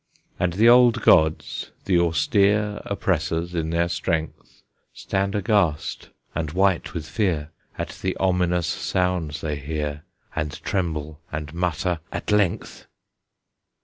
And the old gods, the austere Oppressors in their strength, Stand aghast and white with fear At the ominous sounds they hear, And tremble, and mutter, "At length!"